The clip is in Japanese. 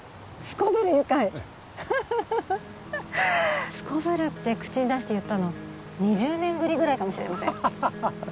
フフフフ「すこぶる」って口に出して言ったの２０年ぶりぐらいかもしれませんハハハハハ